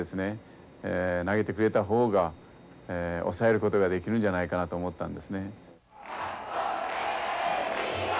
投げてくれた方が抑えることができるんじゃないかなと思ったんですね。